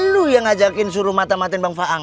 lo yang ajakin suruh mata matiin bang faang